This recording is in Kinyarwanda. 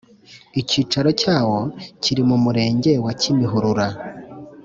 icyicaro cyawo kiri mu Murenge wa Kimihurura